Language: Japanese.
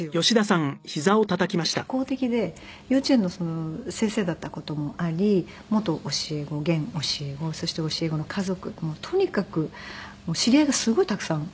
母はとても社交的で幼稚園の先生だった事もあり元教え子現教え子そして教え子の家族とにかく知り合いがすごいたくさんいたんですよ。